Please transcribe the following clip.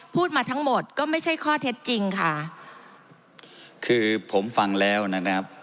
พูดมาทั้งหมดก็ไม่ใช่ข้อเท็จจริงค่ะคือผมฟังแล้วนะครับ